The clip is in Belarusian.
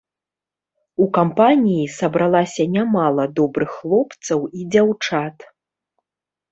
У кампаніі сабралася нямала добрых хлопцаў і дзяўчат.